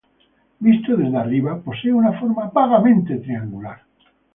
Visto desde arriba, posee una forma vagamente triangular.